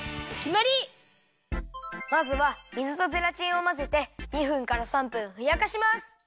まずは水とゼラチンをまぜて２分から３分ふやかします。